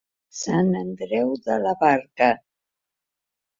Sant Andreu de la Barca.